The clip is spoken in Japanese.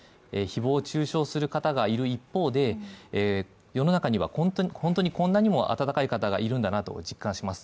誹謗中傷する方がいる一方で世の中には本当にこんなにも温かい方がいるんだなと実感します。